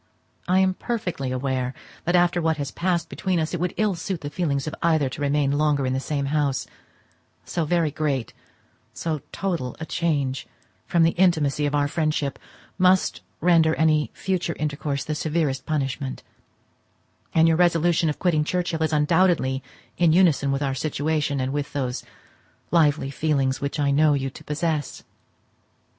I am perfectly aware that after what has passed between us it would ill suit the feelings of either to remain longer in the same house: so very great, so total a change from the intimacy of friendship must render any future intercourse the severest punishment; and your resolution of quitting Churchhill is undoubtedly in unison with our situation, and with those lively feelings which I know you to possess.